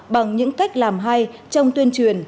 bằng những cách làm hay trong tuyên truyền